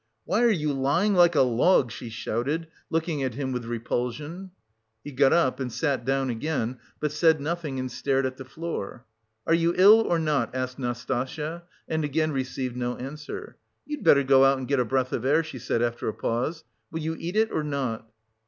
"Why are you lying like a log?" she shouted, looking at him with repulsion. He got up, and sat down again, but said nothing and stared at the floor. "Are you ill or not?" asked Nastasya and again received no answer. "You'd better go out and get a breath of air," she said after a pause. "Will you eat it or not?"